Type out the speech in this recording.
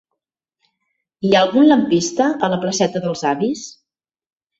Hi ha algun lampista a la placeta dels Avis?